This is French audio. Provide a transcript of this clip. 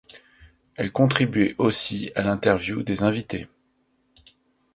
Elle contribuait aussi à l'interview des invités.